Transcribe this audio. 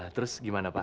terus gimana pak